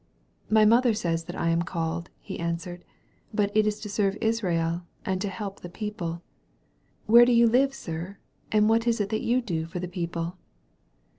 *'My mother says that I am called," he answered, *'but it is to serve Israel and to help the people. Where do you live, sir, and what is it that you do for the people?'